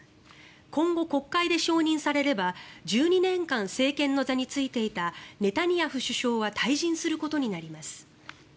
今後、国会で承認されれば１２年間政権の座に就いていたネタニヤフ首相は退陣することになります。